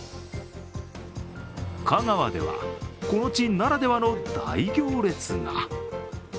香川では、この地ならではの大行列が。